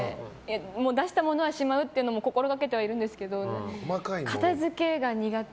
出したものはしまうっていうのも心がけてはいるんですけど片付けが苦手。